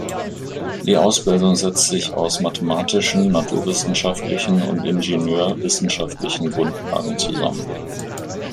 Die Ausbildung setzt sich aus mathematischen, naturwissenschaftlichen und ingenieurwissenschaftlichen Grundlagen zusammen.